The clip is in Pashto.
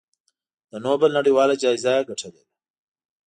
د نوبل نړیواله جایزه یې ګټلې ده.